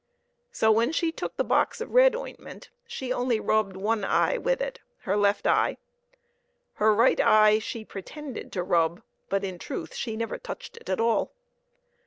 So, when she took the box of red ointment, she only rubbed one eye with it her left eye. Her right eye she pretend ed to rub, but, in truth, she never touched it at all.